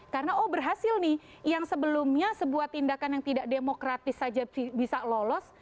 karena oh berhasil nih yang sebelumnya sebuah tindakan yang tidak demokratis saja bisa lolos